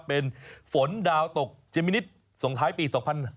เป็นฝนดาวตกเจมินิตส่งท้ายปี๒๕๕๙